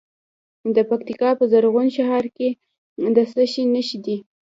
د پکتیکا په زرغون شهر کې د څه شي نښې دي؟